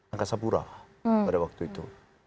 angkasa pura pada waktu itu